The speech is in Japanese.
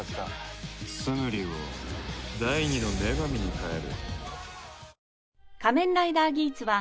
ツムリを第２の女神に変える。